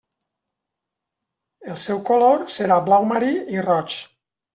El seu color serà blau marí i roig.